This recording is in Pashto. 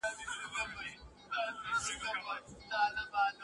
انساني هیلې تر پایه پورې نه پوره کیږي.